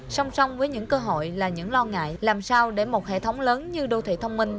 song song với những cơ hội là những lo ngại làm sao để một hệ thống lớn như đô thị thông minh